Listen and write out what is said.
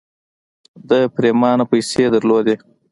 ده پرېمانه پيسې درلودې.